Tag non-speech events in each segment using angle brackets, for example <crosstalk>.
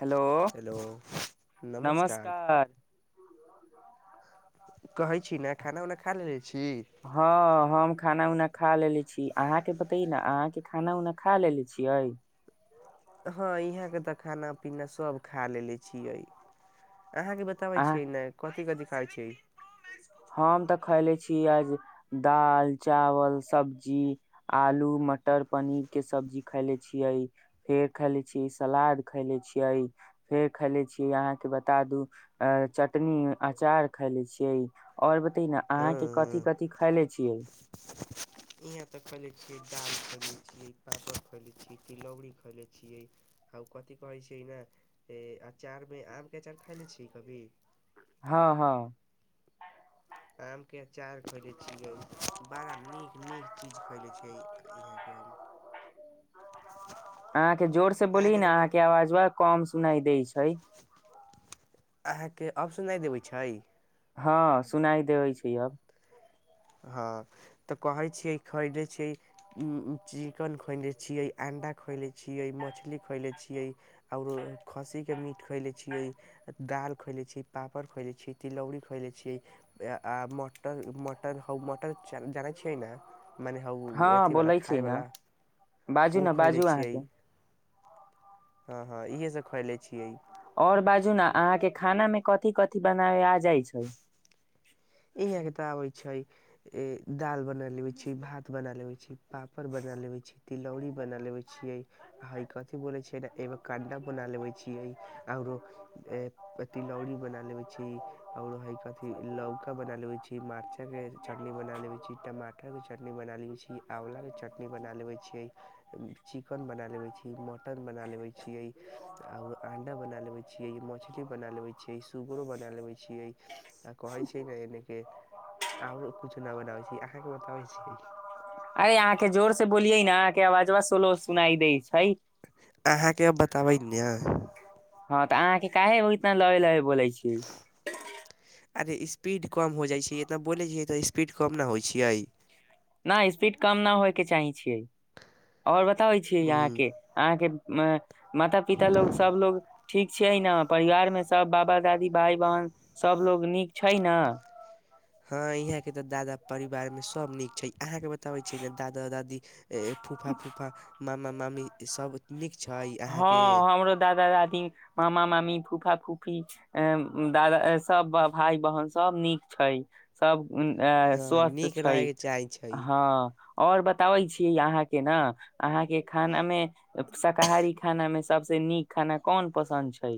hello hello नमस्कार कहै छी ने खाना उना खा लेलेे छी हँअ् हम खाना उना खा लेेल छी अहाँके बतैइ ना अहाँके खाना उना खा लेेले छियै हँ यहाँके तऽ खाना पीना सभ खा लेले छियै अहाँ के बताबै अहाँ छियै ने कथि कथि खाइ छैय हम तऽ खयले छीयै आज दाल चावल सब्जी आलू मटर पनीर के सब्जी खायले छियै फेर खायले छियै सलाद खायले छियै फेर खयले छियै अहाँके बता दू अ चटनी अचार खयले छियै और बतइ ना हँ अहाँके कथी कथी खैले छियै यहाँ तऽ खैले छियै दाल खैले छियै पापड़ खैले छियै तिलौड़ी खैले छियै आ कथि क कहै छै न अचार में आम के अचार खाय ले छियै कभी हँअ् हँअ् आम के अचार खएले छियै बड़ा नीक नीक चीज खएले छियै यहाँ के हम अहाँके जोर से बोलही न अहाँके आवजवा कम सुनाई दैइ छैइ अहाँके ऑप्शन नई देबै छैइ हँअ् सुनाइ देबै छैइ अब हँअ् तऽ कहैइ छियै खरदैइ छियै चिकन खरदैइ छियै अण्डा खएले छियै मछली खएले छियै आओरो खस्सीके मीट खएले छियै दालि खएले छियै पापड़ खएले छियै तिलौरी खएले छियै आ मटर मट मटन हउ मटन जानै छियै ना मने हौ हँ अथीवला बोलै छी ने खायवला बाजू ओ ने खएले बाजू छियै अहाँके हँ हँ इहे सब खैले छियै और बाजू ने अहाँके खाना में कथि कथि बनाबे आ जाइ छैइ ईहे त आबय छैइ दालि बना लेबैछी भात बना लेबैछी पापड़ बना लेबैछी तिलौड़ी बना लेबेछियै आ हई कथि बोलै छीअइ एमे कंडा बना लेवै छी आरो तिलौरी बना लेवेछी आउर हइ कथी ल बना लेबछी मर्चा के चटनी बना लेबछी टमाटर के चटनी बना लेबछी आँवला के चटनी बना लेवइ छीअइ चिकन बना लेवैइ छीअइ मटन बना लेवैइ छीअइ आउर अंडा बना लेवे छियै मछली बना लेवे छिये सुगरो बना लेबे छियै आ कहै छै ने एने के आउर कुछ न बनाबै छियै छै आहाँ के बताबै छियै अरे अहाँ के जोर से बोलियै न अहाँके आवाजवा सोलो सुनाई दइ छै त बै ने हँ तऽ अहाँ के काहे इतना लहे लहे बोलै छीयै अरे स्पीड कम हो जाइ छै इतना बोलै छ तऽ स्पीड कम न होइ छियै न स्पीड कम न होय के चाहे छियै आओर बताबै छियै हूँ अहाँके अहाँके म माता पिता लोक सबलोग ठीक छियै ने परिवार मे सब बाबा दादी भाय बहन सबलोग नीक छै न हँ इहा के तऽ दादा परिवार में सब नीक छै अहाँके बताबै छी ने दादा दादी फूफा फूफा मामा मामी सब नीक छै अहाँके हँ हमरो दादा दादी मामा मामी फूफा फूफी अं दादा सब भाय बहन सब नीक छै सब अ हँ स्वस्थ नीक छै रहयके चाहै छै हँ और बताबै छियै अहाँ के न अहाँ के खाना में शाकाहारी खाना में सबस नीक खाना कोन पसन्द छै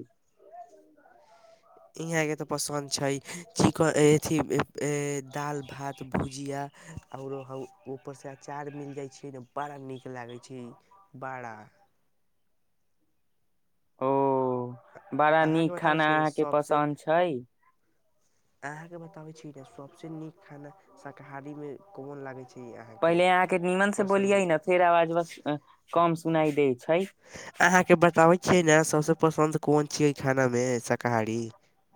इहाँ के तऽ पसन्द छै चिकन एथि ए दाल भात भुजिया और ऊपर से अचार मिल जाय छै ने बड़ा नीक लागे छै बड़ा <inaudible> ओ बड़ा अहाँके नीक बताबै खाना छियै ने अहाँ के पसन्द छै अहाँ के बताबे छी ने सबसे नीक खाना शाकाहारी में कोन लागे छै अहाँके पहिले अहाँ के नीमन से बोलियै ने पसन्दीदा फेर आवाजवा कम सुनाइ दै छै अहाँ के बताबै छियै ने सभ से पसन्द कोन छियै खाना में शाकाहारी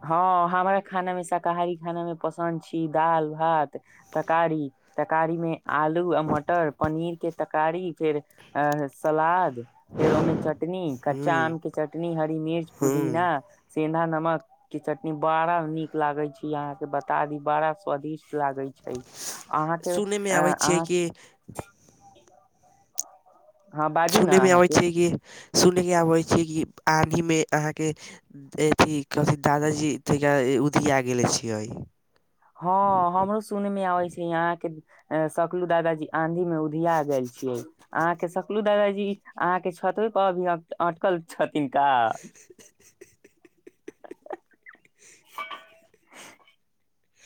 हँ हमरा खाना में शाकाहारी खाना में पसन्द छी दालि भात तरकारी तरकारी में आलू आ मटर पनीर के तकारी फेर अ सलाद फेर ओहि में चटनी ह्म कच्चा आम के चटनी हरी मिर्च ह्म पुदीना सेेंधा नमक के चटनी बड़ा निक लागे छै यहा के बता दी बड़ा स्वादिष्ट लागै छै अहाँ के सुनयमे अ आबै छियै अहाँ कि हँ बाजू सुन ने में अबै अहाँके छियै कि सुन के आबै छै कि आंधी में अहाँ के अथी कथि दादाजी उधिया गेले छियै हँ हमरो सुन में आबै छै यहाँ के सकलू दादाजी आंधी मे उधिया गेल छियै अहाँके सकलू दादाजी अहाँ के छ कतब कह भी आटकल छथिन का <unintelligible>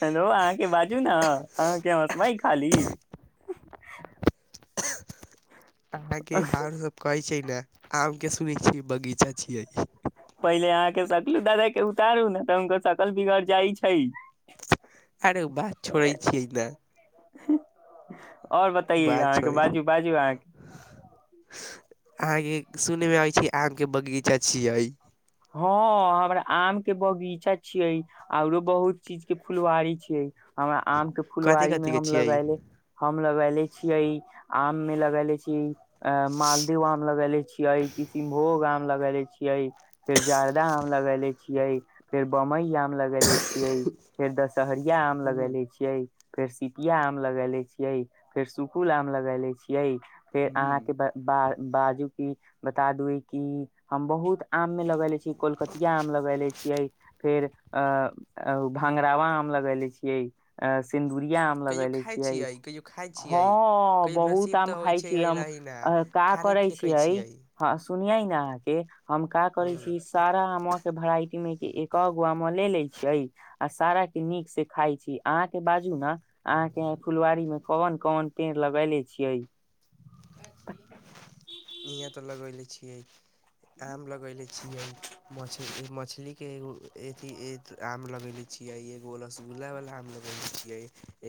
हेलो अहाँ के बाजू ने अहाँ के हसमाई खाली अहाँ के आरो सब कहै छै ने आम के सुनै छियै बगीचा छियै के सकलू दादा के उतारू ने तऽ हुनको सकल बिगड़ जाइ छै अरे बात छोड़ै छियै ने आओर बताइयै बात अहाँ छोड़ै के छै बाजू बाजू अहाँ के अहाँके सुनय मे आबै छै आम के बगीचा छियै हँ हमरा आम के बगीचा छियै औरो बहुत चीज के फुलवारी छियै हमरा आम के कथि फुलवारी में कथि के हम छियै लगैले हम लगले छियै आम में लगले छियै अ मालदेव आम लगेले छियै किसनभोग आम लगेले छियै फेर जारदा आम लगेेले छियै फेर बम्बई आम आम लगेले छियै फेर दशहरिया आम लगेले छियै फेर सिपिया आम लगइले छियै फेर सुकुल आम लगैले छियै फेर अहाँ के ब ब बाजू की बता दू कि हम बहुत आ मे लग ले छियै कोलकतिया आम लग ले छियै फेर अ अं भंगड़वा आम लगेले छियै अं सिन यूरिया आम कहियो लगेले खाइ छियै कहियो खाइ छियै हाँ कहियो बहुत नसीब आम तऽ होइ खाय छै छी हम अयलही न का खाली करै फेकै छियै हाँ सुनियै अ के हम का करे हूँ छी सारा आमवा के वेराइटी मे के एक गो आमवा ले लै छी सारा के नीक से खाय छी अह के बाजू ने अह फुलवारी मे कवन कोन पेड़ लगैले छियै इह तऽ लगले छियै आम गले छीय मछली के एगोथ आम लगेले छियै एगो रसगुल्ला बालला आम लगेले छियै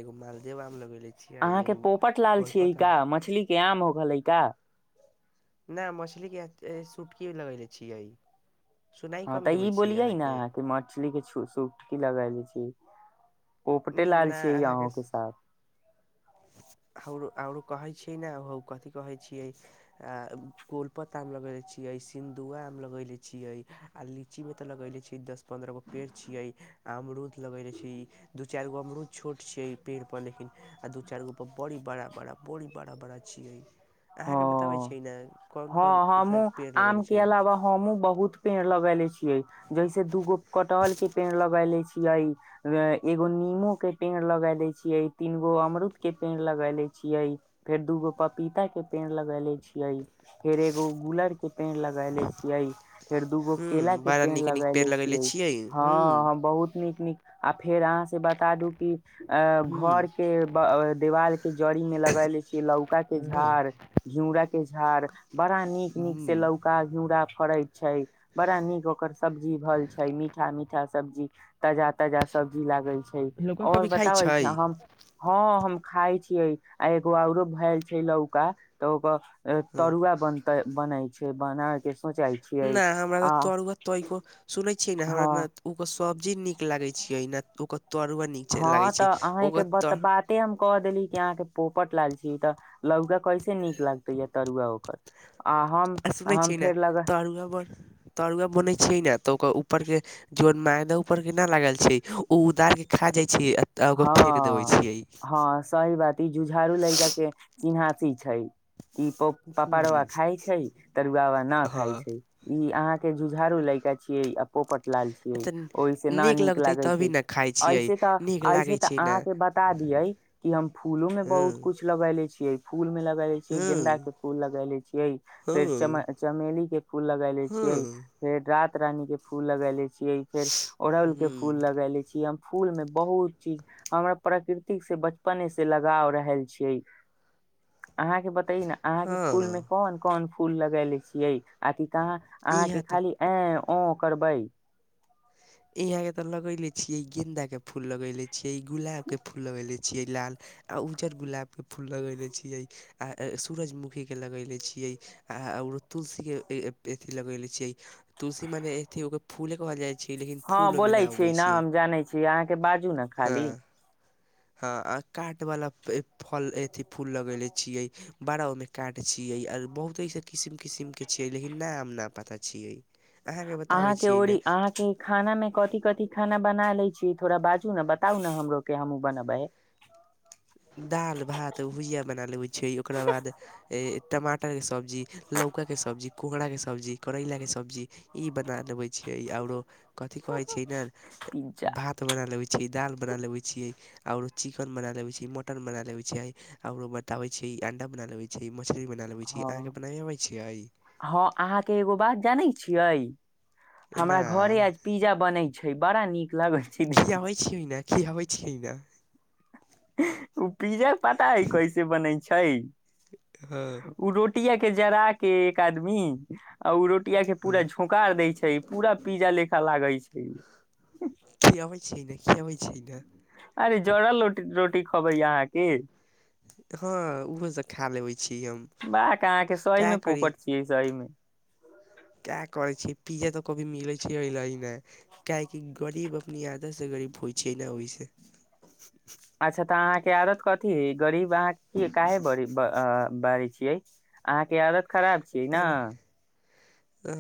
एगो माल देव हम लगैले छियै अहाँके एगो पोपट लाल कोलपत आम नहि मछलीे सुटकी लगले छियै सुनाइ हँ कम तऽ देबै ई छियै बोलिये ने अहाँके कि मछली के सूट की लगाय ले छी पोपटे लाल ना छियै आंहु अहाँके के सब औरो कहे छीयै ने हो कथि कहे छीयै अ गोल प्त मे लगेेले छीयै सि दुआ आम लगेेले छीये आ लीची में ते लगेेले छीये दस पंद्रह गो पेड़ छीये अमरूद लगे रहे छै ई दू चार गो अमरूद छोट छैे पेड़ पर लेकिन आ दू चार गो बड़ी बड़ा बड़ा बड़ी बड़ा बड़ा छीयै हाँ हाँ हमूँ पेड़ लगेले आम के छियै अलावा हमहुँ बहुत पेड़ लगे ने छियै जैसे दूगो कटहल के पेड़ लगा ले छीये एगो नीमो के पेड़ लगा ले छियै तीन गो अमरुद के पेड़ लगेले छियै फेर दूगो पपीता के पेड़ लगेले छियै फेर एगो गुलर के पेड़ लगले छियै फेर दूगो हूँ केला के बड़ा पेड़ नीक नीक लगेले छीयै छियै हूँ हाँ हम बहुत निक निक आ फेर अहाँ से बता दू कि अ हूँ घर के देवाल के जड़ी मे लगा ले छियै लौका के झाड़ घिउरा के झाड़ बड़ा नीक नीक हूँ से लौका घिउरा फड़ैत छै बड़ा नीक ओकर सब्जी भर छै मीठा मीठा सब्जी ताजा ताजा सब्जी लागे छै लौका और कभी खाइ बताबै छै छी हम हाँ हम खाय छी आ एगो औरो भ छै लौका तऽ ओकर हँ तरुआ बनतै बनै बनायके नहि हमरा तऽ तोर तरूआ सुनै छियै ने हँ हमरा ओ सब्जी नीक लागै छीयै नहि हाँ तऽ आहीके बत बाते हम क देली कि अहाँ के पोपट लाल छी तऽ लौका कैसे नीक लागते या तरुआ ओकर आ हम आ सुने हम छियै ने फेर लग तरुआ बन तरुआ बनेै छियै ना तऽ ओकर ऊपर के जन मेदा आ ऊपर के न लागल छै ओ उदार के खा जाइ छीयै हाँ हाँ सही बात ई जुझारू लैका के चिन्हासी छै ई पो पापङबा हम्म, खाय छै तरुआ बा ना खाय हँ छै ई अहाँ के झुझारू लैका छीयै आ पोपट लाल छियै तऽ ओहिसे ना नीक लगतै लागै तभी छै ने खाइ छियै ऐसे तऽ नीक ऐसे लागै ते छै ने आह के बता दिये कि हम फूलो में बहुत हँ कुछ लगेेले छीये फूल में लगै छिय गेंदा हँ के फूल लगैले छियै हँ फेर चमेली के फूल लगा ले हँ छीयै फेर रात रानी के फूल लगैले छी फेर ओड़हल के फूल हँ लगले छीय हम फूल में बहुत चीज हमर प्रकृति से बचपने से लगाव रहल छियै अहाँके बतय ने अहाँ के फूल में हँ कोन कोन फूल लगेले छियै आथी कहाँ अहाँके इहे त खाली ए ओ करबै यहां के ते लगेले छीये गेंदा के फूल लगेले छीयै ई गुलाब के फूल लगेले छी छिये लाल आ उज्जर गुलाब के फूल लगेेले छियै आ सूरजमुखी के लगेले छियै तुलसी के अथि लगेने छै तुलसी मने ओकर फूल कहल जाय छै लेकिन हँ फूल ओहिमे बोलै ना उगै छी छियै नाम जानै छी अहाँके बाजू ने खाली <inaudible> ह अ कॉट वाला फल अथि फूल लगेेले छियै बड़ा ओमे काट छियै बहुत ऐस किसिम किसिम के छीये लेकिन न हम न पता छीये अहाँके ओरि अहाँके खाना मे कथी कथी खाना बना लै छिये थोड़ा बाजू ने बताउ ने हमरोके हमूँ बनबै दालि भात भुजिया बना लेबै छै ओकरा बाद ए टमाटर के सब्जी लौका के सब्जी कोहरा के सब्जी करैला के सब्जी ई बना लेबइ छियै आओरो कथि कहैत छियै ने पिज्जा भात बना लेबै छियै दालि बना लेबै छियै आऔरो चिकेन बना लेवे छी मटन बना लेवे छियै औरो बताबे छी अंडा बना ले छी हँ हँ अहाँके एगो बात जानै छियै ना हमरा घरे आज पिज्जा बनै छै बड़ा नीक लगै छै देख खी हबै छियै ने ओ पिज्जा के पता है कैसे बनै छै हँ ओ रोटी रोटिया के जरा के एक आदमी आ ओ रोटी रोटिया के पूरा हँ, झौकार दै छै पूरा पिज्जा लेखा लागै छै खियाबै छिये न खियाबै छये न अरे जरल र रोटी खबै अहाँके हँ ओहोसभ खाए लेबै छी हम वाह के अहाँ के सही कए में करी पोपट छियै सही में का कहेछी पिज्जा त कभी मिले छै हलही ने काहेकि गरीब अपनी आदत से सरिफ होइ छै ने ओहिसँ अच्छा तऽ अहाँके औरत कथी ह गरीब अहाँ काहे ब बारी छी अहाँके आदत खराब छियै ने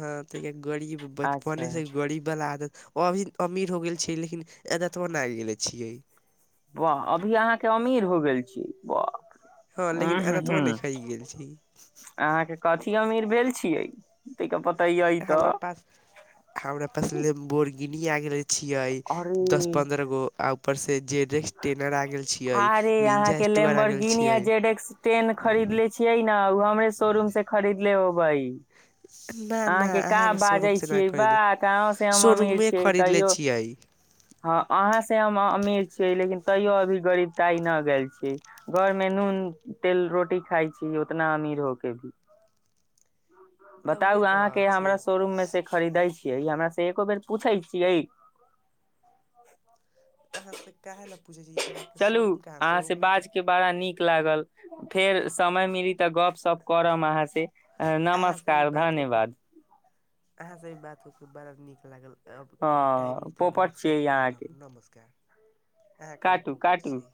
ह त गरीब बचपने अच्छा से गरीब बला आदत ओ अभी अमीर हो गेल छै लेकिन एदतबो नइ आइब गेले छियै वाह अभी अहाँके अमीर हो गेल छी हँ वाह उ लेकिन हू आदतबा हू नइखे गेल छी अहाँके कथी अमीर भेल छियै त प हमरा पास हमरा पास लेमबोरगिनी आगेले छियै दस अरे पन्द्रह गो आ ऊपर से जे अरे अहाँके स्टुअर आ गेल लेमबोरगिनी या छियै जेड एक्स टेन खरीदले छियै न ओ ऊ हमरे शोरूमसँ खरीदले होबै <inaudible> ना अहाँके काबाजै शोरूम से ना छियै खरीद वाक अहोसे हम अमीर शोरूमे छियै खरीद ले तैयो छियै हँ अहाँ से हम अमीर छी लेकिन तैयो अभी गरीबताई न गेल छी घर में नून तेल रोटी खााय छी उतना अमीर हो के भी तऽ उहे बताउ तऽ अहाँके हमरा छियै शोरूम मे से खरीदै छी हमरा से एको बेर पूछै छियै अहाँ से काह लए पूजे जी अहाँके चलू शोरूम कह अहाँ से शोरूम मे तऽ बाज के बड़ा नीक लागल फेर समय मीली तऽ गप सप करब अहाँ से नमस्कार धन्यवाद अह से ई बात बड़ा नीक लागल अब कभी टाइम हँ मिली तऽ पोपट गप सप छियै अहाँके करब नमस्कार इएह कभी काटू पोपट काटू छियै